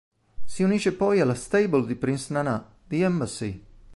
Si unisce poi alla stable di Prince Nana, The Embassy.